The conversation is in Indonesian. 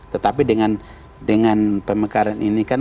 tetapi dengan pemekaran ini kan